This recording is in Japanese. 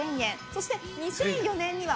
そして２００４年には